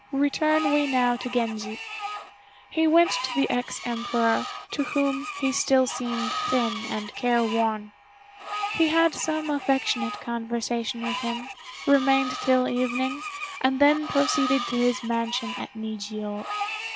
Return we now to Genji. He went to the ex Emperor, to whom he still seemed thin and careworn. He had some affectionate conversation with him, remained till evening, and then proceeded to his mansion at Nijiô.